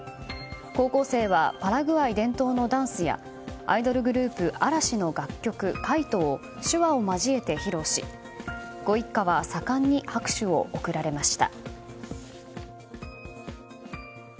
高校生はパラグアイ伝統のダンスやアイドルグループ嵐の楽曲「カイト」を手話を交えて披露しご一家は盛んに拍手を送られました。